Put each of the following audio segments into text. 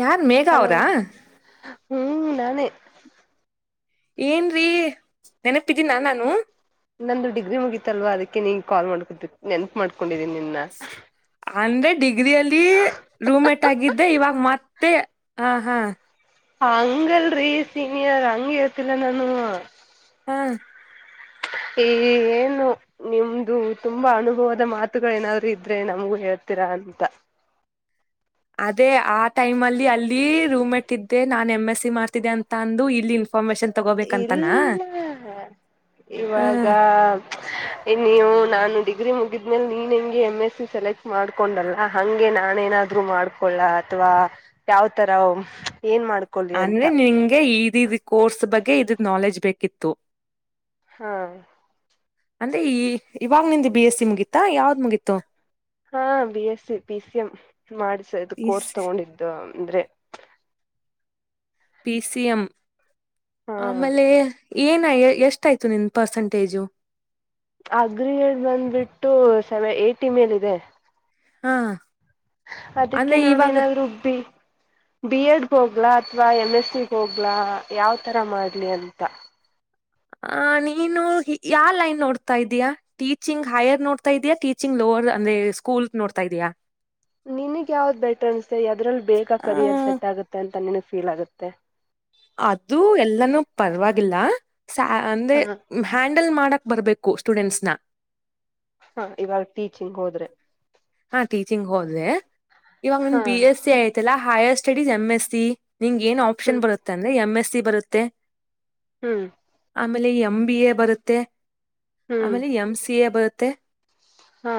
ಯಾರ್ ಮೇಘ ಹಲೋ ಅವರಾ ಹ್ಮ್ ನಾನು ಏನ್ರೀ ನೆನಪಿದೀನ ನಾನು ನಂದು ಡಿಗ್ರಿ ಮುಗೀತಲ್ವಾ ಅದಕ್ಕೆ ನೀ ಕಾಲ್ ಮಾಡ್ಕೊತು ನೆನಪೂ ಮಾಡ್ಕೊಂಡಿದೀನಿ ನಿನ್ನ ಅಂದ್ರೆ ಡಿಗ್ರಿಿಯಲ್ಲಿ ರೂಮ್ ಮೇಟ್ ಆಗಿದ್ದೆ ಇವಾಗ ಮತ್ತೆ ಹಾ ಹಾ ಹಂಗಲ್ರಿ ಸೀನಿಯರ್ ಹಂಗ ಇೇತಿಲ್ಲ ನಾನು ಹಾ ಏ ಏನು ನಿಮ್ದು ತುಂಬಾ ಅನುಭವದ ಮಾತುಗಳ ಏನಾದ್ರು ಇದ್ರೆ ನಮಗೂ ಹೇಳ್ತೀರಾ ಅಂತ ಅದೇ ಆ ಟೈಮ್ ಅಲ್ಲಿ ಅಲ್ಲಿ ರೂಮ್ಟ್ ಇದ್ದೆ ನಾನ್ ಎಮ್ ಎಸ್ ಸಿ ಮಾಡ್ತಿದ್ದೆ ಅಂತ ಅಂದು ಇಲ್ಲಿ ಇನ್ಫಾರ್ಮೇಶನ್ ತಗೋಬೇಕಂತನಾ ಇಲ್ಲ ಹ ಇವಾಗ ನೀವು ನಾನು ಡಿಗ್ರಿ ಮುಗಿದ್ಮೇಲೆ ನೀನ್ ಹೆಂಗೆ ಎಮ್ ಎಸ್ ಸಿ ಸೆಲೆಕ್ಟ್ ಮಾಡ್ಕೊಂಡಲ್ಲ ಹಂಗೆ ನಾನೇನಾದ ರು ಮಾಡ್ಕೊಳ್ಳ ಅಥವಾ ಯಾವ ತರ ಏನ್ ಮಾಡ್ ಅಂದ್ರೆ ನಿಂಗೆ ಇದ ಕೋರ್ಸ್ ಬಗ್ಗೆ ಇದ್ರ ನಾಲೆಜ್ ಬೇಕಿತ್ತು ಹಾ ಅಂದ್ರೆ ಈ ಇವಾಗ ನಿಂದ ಬಿ ಎಸ್ ಸಿ ಮುಗೀತಾ ಯಾವ್ದ್ ಮುಗೀತ ಹಾ B S C P C M ಮಾಡಿಸದು ಕೋರ್ಸ್ ತಗೊಂಡಿದ್ದು ಅಂದ್ರೆ ಪಿ ಸಿ ಎಂ ಹಾ ಆಮೇಲೆ ಏನ ಎಷ್ಟ ಆಯ್ತು ನಿನ್ ಪರ್ಸಂಟೇಜು ಅಗ್ರಿ ಬಂದ್ಬಿಟ್ಟು ಸೆವೆ ಏಟಿ ಮೇಲ ಇದೆ [unintelligible] ಹಾ ಅದಕ್ಕೆ ಅಂದ್ರೆ ನಾನ ಇವಾಗ ಏನಾದ್ೂ ಉಬ್ಬಿ ಬಿ ಎಡ್ ಹೋಗ್ಲಾ ಅಥವಾ ಎಮ್ ಎಸ್ ಸಿಗ್ ಹೋಗ್ಲಾ ಯಾವ್ತರ ಮಾಡ್ಲಿ ಅಂತ ಆ [inaudible] ನೀನು ಯಾವ ಲೈನ್ ನೋಡ್ತಾ ಇದೀಯಾ ಟೀಚಿಂಗ್ ಹೈರ್ ನೋಡ್ತಾ ಇದೀಾ ಟೀಚಿಂಗ್ ಲೋವರ್ ಅಂದ್ರೆ ಸ್ಕೂಲ್ ನೋಡ್ತಾ ಇದಯಾ ನಿನಗ್ ಯಾವ್ದ್ ಬೆಟರ್ ಅನ್ಸ್ೆ ಅದ್ರಲ್ಲಿ ಬೇಗ ಆ, ಕರಿಯರ್ ಸೆಟ್ ಆಗುತ್ತೆ ಅಂತ ನಿನಗ್ ಫೀಲ್ ಆಗುತ್ತೆ ಅದು ಎಲ್ಲಾನೂ ಪರ್ವಾಗಿಲ್ಲ ಸಾ ಅಂದ್ರೆ. ಹಾ ಹ್ಯಾಂಡಲ್ ಮಾಡಕ್ ಬರ್ಬೇಕು ಸ್ಟೂಡೆಂಟ್ಸ್ನ. ಹಾ ಇವಾಗ್ ಟೀಚಿಂಗ್ ಹೊದ್ರೆ. ಹಾ ಟೀಚಿಂಗ್ ಹೋದ್ರೆ ಇವಾಗ್ ನಂದ್ ಹಾ ಬಿ ಎಸ್ ಸಿ ಆಯ್ತ್. Higher studies M S C ನಿಂಗ್ ಏನ್ ಆಪ್ಷನ್ ಹ್ಮ್ ಬರುತ್ ಅಂದ್ರೆ ಎಮ್ ಎಸ್ ಸಿ ಬರುತ್ತೆ. ಹ್ಮ್. ಆಮೇಲೆ ಎಮ್ ಬಿ ಎ ಬರುತ್ತೆ ಹ್ಮ್ ಆಮೇಲೆ ಎಂ ಸಿ ಎ ಬರುತ್ತೆ. ಹಾ.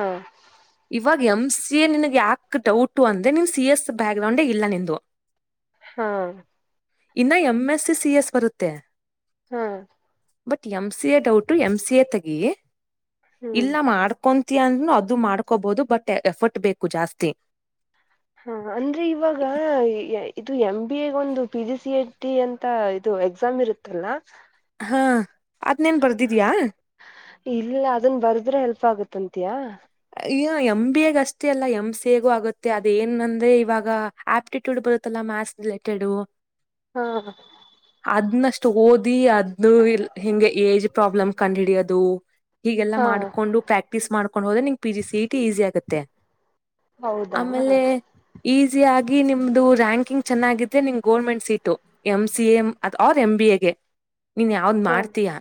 ಇವಾಗ್ ಎಮ್ ಸಿ ಎ ನಿನಗ್ ಯಾಕೆ ಡೌಟು ಅಂದ್ರೆ ನೀನ್ ಸಿ ಎಸ್ ಬ್ಯಾಕ್ಗ್ರೌಂಡಗ್ ಇಲ್ಲ ನಿಂದು. ಹಾ. ಇನ್ನು ಎಮ್ ಎಸ್ ಸಿ ಎಸ್ ಬರುತ್ತೆ. ಹಾ. But M C A doubt M C A ತಗಿ ಹ್ಮ್ ಇಲ್ಲ ಮಾಡ್ಕೊನ್. ತಿಯ ಅದು ಮಾಡ್ಕೋಬವ್ದು ಬಟ್ ಎಫರ್ಟ್ ಬೇಕು ಜಾಸ್ತಿ. ಹಾ ಅಂದ್ರೆ ಇವಾಗ ಇದು ಎಮ್ ಬಿ ಎಗ್ ಒಂದು P G C E T ಅಂತ ಇದು ಎಕ್ಸಾಮ್ ಇರುತ್. ತೆಲ್ಲ. ಹಾ ಅದ್ ನಿನ್ ಬರ್ದಿದಿಯಾ. ಇಲ್ಲ ಅದುನ್ ಬರ್ದ್ರೆ ಹೆಲ್ಪ್ಗು ತ್ತಂತಿಯಾ. ಅಯ್ಯ್ ಎಂ ಬಿ ಎಗ್ ಅಷ್ಟೇ ಅಲ್ಲ ಎಮ್ ಸಿ ಎಗು ಆಗುತ್ತೆ ಅದ್ ಏನ್ ಅಂದ್ರೆ ಇವಾಗ ಆಪ್ಟಿಟ್ಯೂಡ್ ಬರುತ್ತಲ್ಲ ಮ್ಯಾಸ್. ರಿಲೇಟೆದು. ಹಾ. ಅದ್ನಷ್ಟು ಓದಿ ಅದ್ ಇಲ್ ಹಿಂಗೆ ಏಜ್ ಪ್ರಾಬ್ಲಮ್ ಕಂಡ್ ಹಿಡಿಯಾದು. ಹೀಗೆಲ್ಲಾ ಹಾ ಮಾಡ್ಕೊಂಡು ಪ್ರಾಕ್ಟೀಸ್ ಮಾಡ್ಕೊಂಡ್ ಹೋದ್ರೆ ನಿಂಗ್ P G C E T easy ಆಗುತ್ತೆ. ಹೌದಾ ಆಮೇಲೆ. ಹಾ ಈಸ್ಯ್ ಯಾಗಿ ನಿಮ್ದು ರಾಂಕಿಂಗ್ ಚೆನ್ನಾಗಿದ್ರೆ ನಿಮ್ಗ್ government seat. M C A ಅ ಅವ್ರ ಎ್ ಬಿ ಎಗೆ ನೀನ್ ಯಾವ್ದ್ ಮಾಡ್ತೀಯಾ.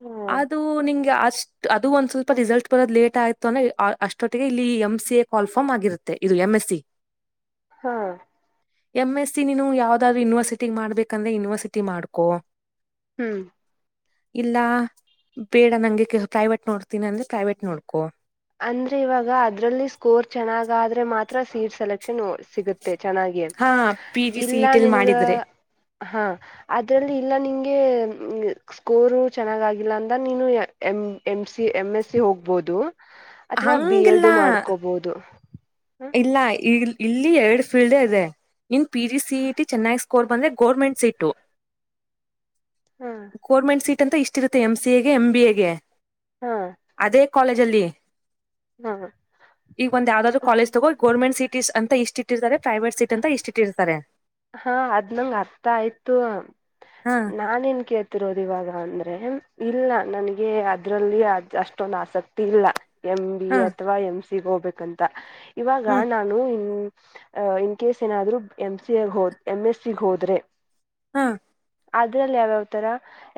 ಹಾ ಅದು ನಿಂಗೆ ಅಷ್ಟ್ ಅದು ಒಂದ್ ಸ್ವಲ್ಪ ರಿಸಲ್ಟ್. ಪುರದ್ ಲೇಟ್ ಆಯ್ತು ಅಂದೆ ಅಷ್ಟೊಟ್ಟಿಗೆ ಇಲ್ಲಿ ಎಂ ಸಿ ಎ ಕಾಲ್ಫಾರ್ಮ್ ಆಗಿರುತ್ತೆ ಇದು ಎಂ ಎಸ್ ಸಿ. ಹಾ. ಎಮ್ ಎಸ್ ಸಿ ನೀನು ಯಾವ್ದಾದ್ರು ಯೂನಿವರ್ಸಿಟಿ ಮಾಡ್ಬೇಕಂದ್ರೆ ಯುನಿವರ್ ಸಿಟಿ ಮಾಡ್ಕೊ. ಹ್ಮ್. ಇಲ್ಲ ಬೇಡ ನಂಗೆ ಸಾಟ್ ನೋಡ್ತೀನಿ ಅಂದ್ರ್ ನೋಡ್ತೀನಿ ಅಂದ್ರೆ ಪ್ರೈವೇಟ್ ನೋಡ್ಕೊ. ಅಂದ್ರೆ ಇವಾಗ ಅದ್ರಲ್ಲಿ ಸ್ಕೋರ್ ಚೆನ್ನಾಗಾಆದ್ರೆ ಮಾತ್ರ ಸೀಟ್ ಸೆಲೆಕ್ಷನ್ ಸಿಗುತ್ತೆ. ಚೆನ್ನಾಗಿ ಹಾ ಪಿ ಜಿ ಸಿ ಇಲ್ಲ ಟಿಲ್ ನಿನ್ಗ ಗ. ಮಾಡಿದ್ರೆ ಹಾ ಅದ್ರಲ್ಲಿ ಇಲ್ಲ ನಿಂಗೆ. ಸ್ಕೋರು ಚೆನ್ನಾಗಗಿಲ್ಲ ಅಂದ ನೀನು M C M S C ಹೋಗ್ಬಹುದು. ಅತ್ವ ಬಿ ಹಂಗಿಲ್ಲ ಎಡ್ ಮಾಡ್ಕೊಬವ್ದು. ಇಲ್ಲ ಇ ಇಲ್ಲಿ ಎರಡು ಫೀಲ್ಡ್ ಹೇ ಇದೆ ನಿನ್ ಪಿ ಜಿ ಸಿ ಟಿ ಚೆನ್ನಾಗ್ ಸ್ಕೂಲ್. ಸ್ಕೋರ್ ಬಂದ್ರೆ ಗರ್ಮೆಟ್ ಸೀಟು. ಹಾ. ಗೋರ್ಮೆಂಟ್ ಸಟ್ ಅಂತ ಇಷ್ಟ ಇರುತ್ತೆ ಎಂ ಸಿ ಎಗೆ ಎಂ ಬಿ ಎ ಗೆ. ಹಾ. ಅದೇ ಕಾಲೇಜ ಅಲ್ಲಿ. ಹಾ. ಈಗ ಒಂದ್ ಯಾವ್ದಾದ್ರು ಕಾಲೇಜ್ ತಗೋ ಗವರ್ನಮೆಂಟ್ ಸಿಟೀಸ್ ಅಂತ ಇಷ್ಟು. ಹಾ ಅದ್ನಂಗ್ ಅರ್ಥ ಆಯ್ತು ಹಾ ನಾ ನ್ ಕೇಳ್ತ ತಿರೋದ ಇವಾಗ ಅಂದ್ರೆ ಇಲ್ಲ ನನ್ಗೆ ಅದ್ರಲ್ಲಿ ಅ ಅಷ್ಟೊಂದು ಆಸಕ್ತಿ ಇಲ್ಲ ಎಂ ಬಿ ಹಾ ಎ ಅಥವಾ ಎಂ ಸಿಗ್ ಹೋಗ್ಬೇಕಂತ ಇವಾಗ ಹಾ ನಾನು ಕೆಸ್ ಏನಾದ್ೂ ಎಂ ಸಿ ಹ ಎಂ್ ಎಸ್ ಸಿಗ್ ಹೋದ್ರೆ ಹಾ ಅದ್ರಲ್ಲಿ ಯಾವ್ಯಾವ್ ತರ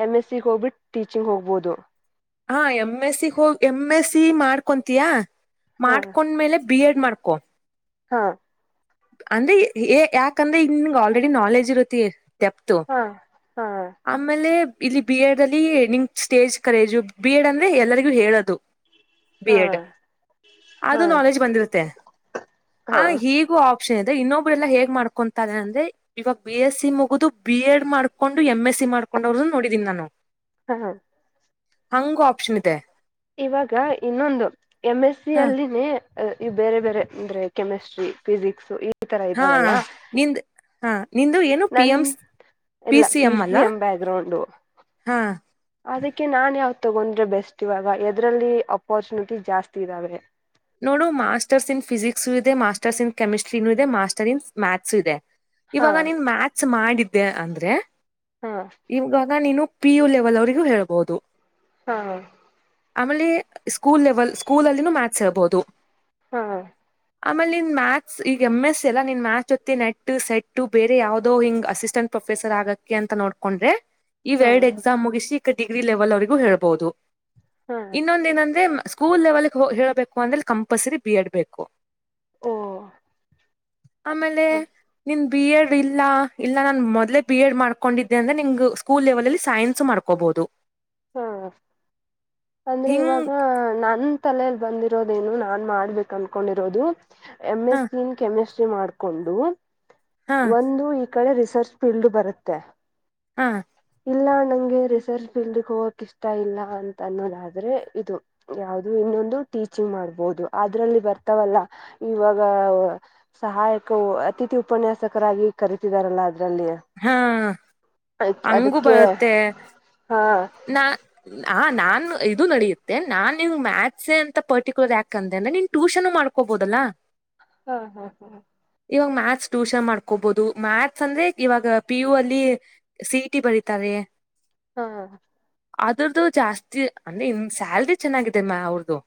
ಎಮ್ ಎಸ್ ಸಿ ಹೋಗ್ಬಿಟ್ಟು ಟೀಚಿಂಗ್ ಹೋಗ್ಬಹುದು ಹಾ ಎಮ್ ಎಸ್ ಸಿ ಹೋಗಿ ಎಮ್ ಎಸ್ ಸಿ ಮಾಡ್ಕೊತೀಯಾ ಹಾ ಮಾಡ್ಕೊಂಡ್ಮೇಲೆ ಬಿ ಎಡ್ ಮಾಡ್ಕೊಂಡ ಹಾ ಅಂದ್ರೆ ಯಾಕಂದ್ರೆ ಇಂಗ ಆಲ್ರೆಡಿ ನಾಲೆಜ್ ಇರತ್ತ ತೆಪ್ತು ಹಾ ಹಾ ಆಮೇಲೆ ಇಲ್ಲಿ ಬಿ ಎಡ್ ಅಲ್ಲಿ ನಿಂಗ ಸ್ಟೇಜ್ ಕರೇಜು ಬಿ ಎಡ್ ಅಂದ್ರೆ ಎಲ್ಲರಿಗೂ ಹೇಳೋದು ಹ್ಮ ಬಿ ಎಡ್ ಅದು ನಾಲೆಜ್ ಬಂದಿರುತ್ತೆ ಆ ಈಗ್ ಆಪ್ಷನ್ ಇದೆ ಇನ್ನೊಬ್ಬರು ಎಲ್ಲ ಹೇಗ್ ಮಾಡ್ಕೊಂತಾರೆ ಅಂದ್ರೆ ಇವಾಗ ಬಿ ಎಸ್ ಸಿ ಮುಗಿದು ಬಿ ಎಡ್ ಮಾಡ್ಕೊಂಡು ಎಮ ಎಸ್ ಸಿ ಮಾಡ್ೊಂಡ ಅವ್ರದ ನೋಡಿದಿನಿ ನಾನು ಹಾ ಹಂಗ ಆಪ್ಷನ್ ಇದೆ ಇವಾಗ ಇನ್ನೊಂದು ಎಂ ಎಸ್ ಸಿ ಹ ಅಲ್ಲಿನೇ ಇ ಬೇರೆ ಬೇರೆ ಅಂದ್ರೆ ಕೆಮಿಸ್ಟ್ರಿ ಫಿಸಿಿಕ್ಸ್ ಹಾ ನಿ್ ಹಾ ನಿಂದು ಏನು ಪಿ ಎಮ್ ಎಲ್ಲ P C M background ಹಾ ಅದಕ್ಕೆ ನಾನ್ ಯಾವ್ ತಗೊಂಡ್ರೆ ಬೆಸ್ಟ್ ಇವಾಗ ಎದ್ರಲ್ಲಿ ಅಪಾರ್ಚುನಿಟಿ ಜಾಸ್ತಿ ಇದ್ದಾವೆ ನೋಡು ಮಾಸ್ಟರ್ಸ್ ಇನ್ ಫಿಜಿಕ್ಸು ಇದೆ ಮಾಸ್ಟರ್ಸ್ ಇನ್ ಕೆಮಿಸ್ಟ್ರಿನೂ ಇದೆ ಮಾಸ್ಟರ್ ಇನ್ ಮ್ಯಾಥ್ಸ್ ಇದೆ ಹಾ ಇವಾಗ ನೀನ್ ಮ್ಯಾಥಸ್ ಮಾಡಿದ್ದೆ ಅಂದ್ರೆ ಹಾ ಇವಾಗ ನೀನು ಪಿ ಯು ಲೆವೆಲ್ ಅವರಿಗೂ ಹೇಳ್ಬಹುದು ಹಾ ಆಮೇಲೆ ಸ್ಕೂಲ್ ಲೆವೆಲ್ ಸ್ಕೂಲ್ ಅಲ್ಲಿನೂ ಮ್ಯಾಥಸ್ ಹೇಳ್ಬಹುದು ಹಾ ಆಮೇಲೆ ನಿನ್ ಮ್ಯಾಥಸ್ ಈಗ ಎಮ್ ಎಸ್ ಅಲ್ಲ ನಿನ್ ಮ್ಯಾಥಸ್ ಜೊತೆ ನೆಟ್ ಸೆಟ್ ಬೇರೆ ಯಾವುದೋ ಹಿಂಗ್ ಅಸಿಸ್ಟೆಂಟ್ ಪ್ರೊಫೆಸರ್ ಆಗಕ್ಕೆ ಅಂತ ನೋಡ್ಕೊಂಡ್ರೆ ಇವು ಹಾ ಎರಡು ಎಕ್ಸಾಮ್ ಮುಗಿಸಿ ಈ ಡಿಗ್ರಿ ಲೆವೆಲ್ ಅವ್ರಗೂ ಹೇಳ್ಬಹುದು ಹಾ ಇನ್ನೊಂದ ಏನಂದ್ರೆ ಸ್ಕೂಲ್ ಲೆವೆಲ್ಗೆ ಹ ಹೇಳಬೇಕು ಅಂದ್ರೆ ಕಂಪಲ್ಸರಿ ಬಿ ಎಡ್ ಬೇಕು ಓ ಆಮೇಲೆ ನಿ ಬಿ ಎಡ್ ಇಲ್ಲ ಇಲ್ಲ ನಾನು ಮೊದ್ಲೇ ಬಿ ಎಡ್ ಮಾಡ್ಕೊಂಡಿದ್ದೆ ಅಂದ್ರೆ ನಿಮ್ಗೆ ಸ್ಕೂಲ್ ಲೆವೆಲಲ್ಲಿ ಸೈನ್ಸ್ ಮಾಡ್ಕೋಬಹದು ಹಾ ಅಂದ್ರೆ ಹಿಂಗ್ ಇವಾಗ ನನ್ ತಲೆಯಲ್ಲಿ ಬಂದಿರೋದೇನು ನಾನ್ ಮಾಡ್ಬೇಕು ಅನ್ಕೊಂಡಿರೋದು ಎಮ್ ಹ ಎಸ್ ಸಿ ಕೆಮಿಸ್ಟ್ರಿ ಮಾಡ್ಕೊಂಡು ಹಾ ಒಂದು ಈ ಕಡೆ ರಿಸರ್ಚ್ ಫೀಲ್ಡ್ ಬರುತ್ತೆ ಹಾ ಇಲ್ಲ ನಂಗೆ ರಿಸರ್ಚ್ ಫೀಲ್ಡ್ಗೆ ಹೋಗಕ್ ಇಷ್ಟ ಇಲ್ಲ ಅಂತ ಅನ್ನೋದಾದ್ರೆ ಇದು ಯಾವವು್ದ ಇನ್ನೊಂದು ಟೀಚಿಂಗ್ ಮಾಡ್ಬೋದು ಅದ್ರಲ್ಲಿ ಬರ್ತಾವಲ್ಲ ಇವಾಗ ಸಹಾಯಕವು ಅತಿಥಿ ಉಪನ್ಯಾಸಕರಾಗಿ ಕರತಿದಾರಲ್ಲ ಅದರಲ್ಲಿ ಹಾ ಹಂಗು ಬರುತ್ತೆ ಹಾ ನಾ ಹ ನಾನ ಇದು ನಡೆಯುತ್ತೆ ನಾನ್ ನೀವು ಮ್ಯಾತ್ಸ ಅಂತ ಪರ್ಟಿಕ್ಯುಲರ್ ಯಾಕ ಅಂದ್ರೆ ನಿನ್ ಟ್ಯೂಷನ್ ಮಾಡ್ಕೋಬೋುದಲ್ಲಾ ಹಾ ಹಾ ಹಾ ಇವಾಗ ಮ್ಯಾಥ್ಸ್ ಟ್ಯೂಷನ್ ಮಾಡ್ಕೋಬಹುದು ಮ್ಯಾಥ್ಸ್ ಅಂದ್ರೆ ಇವಾಗ ಪಿ ಯು ಅಲ್ಲಿ ಸಿಟಿ ಬರಿತಾರೆ ಹಾ ಅದ್ರ್ದು ಜಾಸ್ತಿ ಅಂದ್ರೆ ಇನ್ ಸ್ಯಾಲ್ರಿ ಚೆನ್ನಾಗಿದೆ ಮ ಅವ್ರದು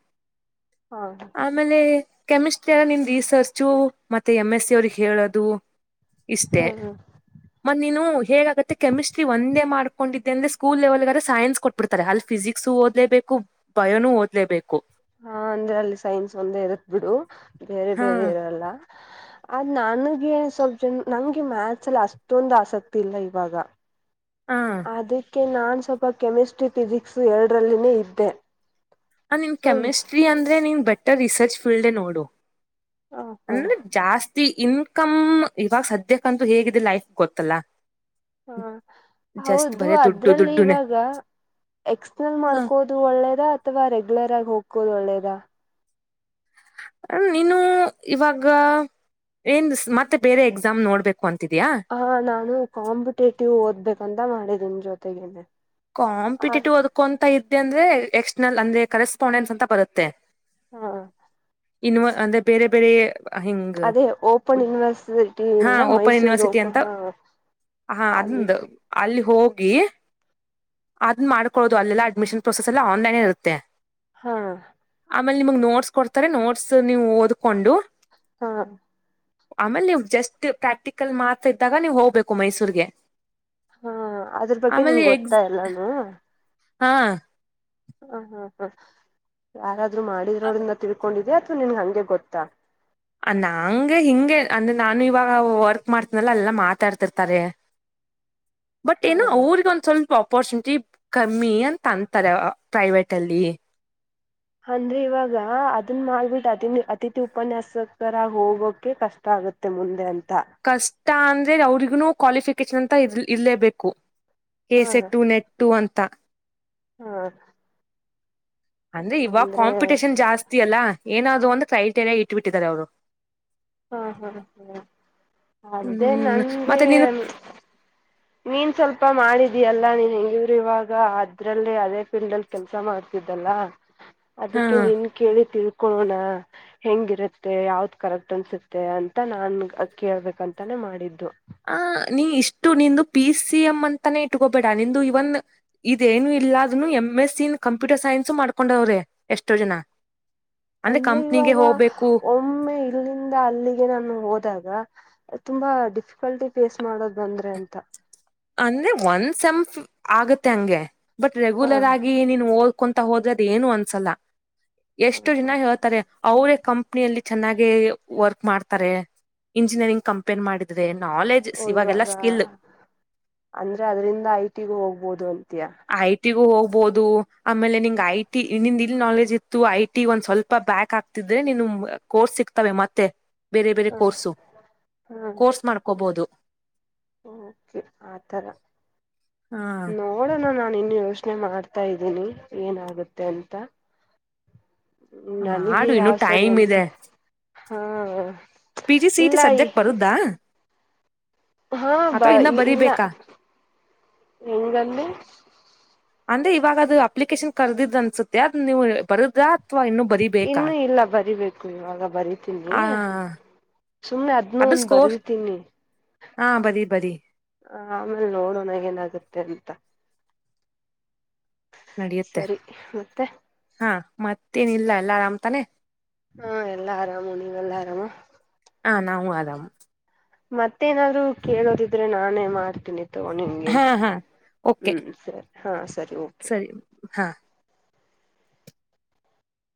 ಹಾ ಆಮೇಲೆ ಕೆಮಿಸ್ಟ್ರಿ ಎಲ್ಲ ನಿಮ ರೀಸರ್ಚು ಮತ್ತೆ ಎಮ್ ಎಸ್ ಸಿ ಅವ್ರಿಗೆ ಹೇಳೋದು ಇಷ್ಟೇ ಹ್ಮ್ ಹ್ಮ್ ಮತ್ತ ನೀನು ಹೇಗಾಗುತ್ತೆ ಕೆಮಿಸ್ಟ್ರಿ ಒಂದೇ ಮಾಡ್ಕೊಂಡಿದ್ದೆ ಅ್ರಂದ್ರೆ ಸ್ಕೂಲ್ ಲೆವೆಲ್ಗಾದ್ರ ಸೈನ್ಸ್ ಕೊಟ್ಟ ಬಿಡ್ತಾರೆ ಅಲ್ಲಿ ಫಿಸಿಕ್ಸ್ ಓದ್ಲೇಬೇಕು ಬಯೋನು ಓದ್ಲೇಬೇಕು ಹಾ ಅಂದ್ರೆ ಅಲ್ಲಿ ಸೈನ್ಸ್ ಒಂದೇ ಇರತ್ ಬಿಡು ಬೇರೆ ಹಾ ಬೇರೆ ಇರಲ್ಲ ಆದ್ ನನ್ಗೆ ಸ್ವಲ್ಪ್ ಜನ ನಂಗೆ ಮ್ಯಾಥಸ್ ಅಲ್ಲಿ ಅಷ್ಟೊಂದು ಆಸಕ್ತಿ ಇಲ್ಲ ಇವಾಗ ಹ ಅದಕ್ಕೆ ನಾನ್ ಸ್ವಲ್ಪ ಕೆಮಿಸ್ಟ್ರಿ ಫಿಸಿಕ್ಸ್ ಎರಡರಲ್ಲಿನೇ ಇದ್ದೆ ಹ ನಿನ್ ಸೊ ಕೆಮಿಸ್ಟ್ರಿ ಅಂದ್ರೆ ನೀನ್ ಬೆಟರ್ ರಿಸರ್ಚ್ ಫೀಲ್ಡ್ ನೋಡು ಹ ಹ ಅಂದ್ರೆ ಜಾಸ್ತಿ ಇನ್ಕಮ್ ಇವಾಗ ಸದ್ಯಕ್ಕಂತೂ ಹೇಗಿದೆ ಲೈಫ್ ಗೊತ್ತಲ್ಲಾ ಹಾ ಹೌದು ಬರೇ ದುಡ್ಡು ಅದ್ರಲ್ಲಿ ದುಡ್ಡುನೆ ಇವಾಗ ಎಕ್ಸ್ನಲ್ ಮಾಡ್ಕೋದು ಅದು ಒಳ್ಳೇದ ಅಥವಾ ರೆಗ್ಯುಲರ್ ಆಗಿ. ಹೋಗಕೋುದು ಒಳ್ಳೇದ ನೀನು ಇವಾಗ ಏನ್ ಮತ್ತೆ ಬೇರೆ ಎಕ್ಸಾಮ್ ನೋಡ್ಬೇಕು ಅಂತಿದಯಾ ಹಾ ನಾನು ಕಾಂಪಿಟೇಟಿವ್ ಓದ್ಬೇಕಂತ ಮಾಡಿದೀನಿ ಜೊತೆಗೇನೆ ಹ ಕಾಂಪಿಟೇಟಿವ್ ಅದಕು ಅಂತ ಇದ್ದೆ ಅಂದ್ರೆ ಎಕ್ಸ್ಟರ್ನಲ್ ಅಂದ್ರೆ ಕರೆಸ್ಪಾಂಡೆನ್ಸ್ ಅಂತ ಬರುತ್ತೆ ಹಾ ಇನ್ನು ಅಂದೇ ಬೇರೆ ಬೇರೆ ಹಮ್ ಅದೇ ಓಪನ್ ಯನಿವರ್ಸಿಟಿಿಂದ ಮೈಸೂರು ಓಪ ಹಾ ಅದಂದು ಅಲ್ಲಿ ಹೋಗಿ ಅದನ್ನ ಮಾಡ್ಕೊಳ್ಳೋದು ಅಲ್ಲೆಲ್ಲ ಅಡ್ಮಿಷನ್ ಪ್ರೊಸೆಸ್ ಎಲ್ಲ ಆನ್ಲೈನ್ೇ ಇರುತ್ತೆ ಹಾ ಆಮೇಲೆ ನಿಮಗ್ ನೋಟ್ಸ್ ಕೊಡ್ತಾರೆ ನೋಟ್ಸ್ ನೀವು ಓದ್ಕೊಂಡು ಹಾ ಆಮೇಲೆ ನೀವು್ ಜಸ್ಟ್ ಪ್ರಾಕ್ಟಿಕಲ್ ಮಾತ್ರ ಇದ್ದಾಗ ನೀವ್ ಹೋಗ್ಬೇಕು ಮೈಸೂರ್ಗೆ ಹಾ ಅದ್ರ ಬಗ್ಗೆ ಆಮೇಲೆ ನಿಂಗ ಎಕ್ಸ್ ಗೊತ್ತಾ ಎಲ್ಲಾನು ಹಾ ಹ ಹಾ ಹಾ ಯಾರಾದ್ರು ಮಾಡಿದ್ರೋ್ರನ್ನ ತಿಳ್ಕೊಂಡಿದ್ಯಾ ಅಥವಾ ನಿನ್ ಹಂಗೆ ಗೊತ್ತಾ ನಂಗೆ ಹಿಂಗೆ ಅಂದ್ರೆ ನಾನು ಇವಾಗ ವರ್ಕ್ ಮಾಡ್ತನಲ್ಲ ಎಲ್ಲಾ ಮಾತಾಡ್ತಿರ್ತಾರೆ [unintelligible] ಬಟ್ ಏನುೋ ಅವ್ರಗ ಒಂದು ಸ್ವಲ್ಪ ಅಪರ್ಚುನಿಟಿ ಕಮ್ಮಿ ಅಂತ ಅಂತಾರೆ ಪ್ರೈವೇಟಲ್ಲಿ ಅಂದ್ರೆ ಇವಾಗ ಅದನ್ ಮಾಡ್ಬಿಟ್ಟು ಅತನ್ ಅತಿಥಿ ಉಪನ್ಯಾಸಕರಾಗಿ ಹೋಗೋಕೆ ಕಷ್ಟ ಆಗುತ್ತೆ ಮುಂದೆ ಅಂತ ಕಷ್ಟ ಅಂದ್ರೆ ಅವ್ರಿಗ ಕ್ವಾಲಿಫಿಕೇಶನ್ ಅಂತ ಇ ಇರಲೇಬೇಕು ಹಾ ಎಸೆ ಟು ನೆಟ್ ಟ್ಟ ಅಂತ ಹ್ಮ ಅಂದ್ರೆ ಇವಾಗ ಕಾಂಪಿಟಷನ್ ಜಾಸ್ತಿ ಅಲ್ಲಾ ಏನಾದ್ೂ ಒಂದು ಕ್ರೈಟೇರಿಯಾ ಇಟ್ಬಿಟ್ಟಿದ್ದಾರೆ ಅವ್ರು ಹಾ ಹಾ ಹ್ಮ್ ಅದೇ ಹ್ಮ್ ನಂಗೆ ಮತ್ತೆ ನೀನು ನೀನ್ ಸ್ವಲ್ಪ ಮಾಡಿದೀಯಲ್ಲಾ ನೀನ್ ಹೆಂಗವ್ರು ಇವಾಗ ಅದ್ರಲ್ಲಿ ಅದೇ ಫೀಲ್ಡ್ ಅಲ್ಲಿ ಕೆಲ್ಸ ಮಾಡ್ತಿದ್ದಲ್ಲ ಹಾ ಅದಕ್ಕೆ ನೀನ್ ಕೇಳಿ ತಿಳ್ಕೊಳಣ ಹೆಂಗಿರುತ್ತೆ ಯಾವ್ದ್ ಕರೆಕ್ಟ್ ಅನ್ಸುತ್ತೆ ಅಂತ ನಾನ್ ಕೇಳ್ಬೇಕಂತಾನೆ ಮಾಡಿದ್ದು ಆ ನೀ ಇಷ್ಟು ನಿಂದು ಪಿ ಸಿ ಎಂ್ ಅಂತಾನೇ ಇಟ್ಕೊಬೇಡ ನಿಂದು ಇವನ್ ಇದೇನು ಇಲ್ಲದ್ನು ಎಮ್ ಎಸ್ ಸಿನ್ ಕಂಪ್ಯೂಟರ್ ಸೈನ್ಸ್ ಮಾಡ್ಕೊಂಡವ್ರೆ ಎಷ್ಟೋ ಜನ ಅಂದ್ರೆ ಕಂಪ್ನಿಗೆ ಹೋಗ್ಬೇಕು ಒಮ್ಮೆ ಇಲ್ಲಿಂದ ಅಲ್ಲಿಗೆ ನಾನು ಹೋದಾಗ ತುಂಬಾ ಡಿಫಿಕಲ್ಟಿ ಫೇಸ್ ಮಾಡೋದ್ ಬಂದ್ರೆ ಅಂತ ಅಂದ್ರೆ ಒಂದ ಸಂಪ್ ಆಗತ್ತೆ ಹಂಗೆ ಬಟ್ ಹಾ ರೆಗ್ಯುಲರ್ ಆಗಿ ನೀನ್ ಹ ಕುೊಂತ ಹೋದ್ರೆದ ಏನು ಅನ್ಸಲ್ಲ ಎಷ್ಟು ಹ ಜನ ಹೇಳ್ತಾರೆ ಅವರೇ ಕಂಪ್ನಿಯಲ್ಲಿ ಚೆನ್ನಾಗೆ ವರ್ಕ್ ಮಾಡ್ತಾರೆ ಇಂಜಿನಿಯರಿಂಗ್ ಕಂಪೇರ್ ಮಾಡಿದ್ರೆ ನಾಲೆಜ್ ಓ ಇವಾಗೆಲ್ಲಾ ಇವಾಗ ಸ್ಕಿಲ್ ಅಂದ್ರೆ ಅದ್ರಿಂದ ಐ ಟಿ ಗು ಹೋಗ್ಬೋದು ಅಂತಿಯಾ ಐ ಟಿಗು ಹೋಗ್ಬಹದು ಆಮೇಲೆ ನಿನ್ಂಗ್ ಐ ಟಿ ನಿಂದ ಇಲ್ ನಾಲೆಜ್ ಇತ್ತು ಐ ಟಿ ಒಂದ್ ಸ್ವಲ್ಪ ಬ್ಯಾಕ್ ಆಗ್ತಿದ್ರೆ ನೀನು ಕೋರ್ಸ್ ಸಿಗ್ತವೆ ಮತ್ತೆ ಬೇರೆ ಬೇರೆ ಹಾ ಕೋರ್ಸು ಕೋರ್ಸ್ ಮಾಡ್ಕೋಬಹುದು ಹೂ ಆತರ ಹ ನೋಡ್ ನೋಡೋಣ ನಾನ್ ಇನ್ ಯೋಚನೆ ಮಾಡ್ತಾ ಇದ್ದೀನಿ ಏನಾಗುತ್ತೆ ಅಂತ ್ಮ ನನಗೆ ಮಾಡು ಇನ್ನು ಯಾವ ಸರಿ ಟೈಮ್ ಅನ್ಸ ಇದೆ ಹಾ ಪಿ ಜಿ ಸಿ ಟಿ ಇಲ್ಲ ಈ ಸಬ್ಜೆಕ್ಟ್ ಬರೋದ ಹಾ ಬ ಇನ್ನ ಇಲ್ಲ ಬರಿಬೇಕಾ ಹೆಂಗ್ ಅಂದೆ ಅಂದ್ರೆ ಇವಾಗ ಅದು ಅಪ್ಲಿಕೇಶನ್ ಕಾರ್ಡಿಂತೇ ಅನ್ಸುತ್ತೆ ಅದ್ ನೀವು ಬರದ ಅಥವಾ ಇನ್ನು ಬರೀ ಇನ್ನು ಇಲ್ಲ ಬರಿಬೇಕು ಇವಾಗ ಬರಿತೀನಿ ಆ ಸುಮ್ನೆ ಅದ್ನ್ನು ಅದು ಒಂದ್ ಸ್ಕೋರ್ ಬರ್ದತೀನಿ ಹಾ ಬರಿ ಬರಿ ಹ ಆಮೇಲ್ ನೋಡೋಣಾಗ ಏನಾಗುತ್ತೆ ಅಂತ ನಡಿಯುತ್ತೆ ಸರಿ ಮತ್ತೆ ಹಾ ಮತ್ತೇನಿಲ್ಲ ಎಲ್ಲ ಆರಾಮ್ ತಾನೆ ಹಾ ಎಲ್ಲಾ ಆರಾಮು ನೀವೆಲ್ಲಾ ಆರಾಮ ಹ ನಾವು ಆರಾಮ್ ಮತ್ತೇ ಏನಾದ್ರು ಕೇಳೋದಿದ್ರೆ ನಾನೇ ಮಾಡ್ತೀನಿ ತಗ ನಿನ್ಗೆೇ ಹಾ ಹಾ ಹೂ ಓಕೆ ಸರಿ ಹಾ ಸರಿ ಓಕೆ ಸರಿ ಹಾ